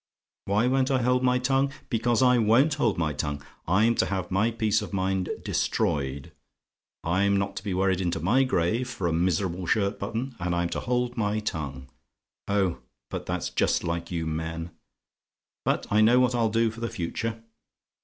"WHY WON'T I HOLD MY TONGUE? "Because I WON'T hold my tongue. I'm to have my peace of mind destroyed I'm to be worried into my grave for a miserable shirt button, and I'm to hold my tongue! Oh! but that's just like you men! "But I know what I'll do for the future.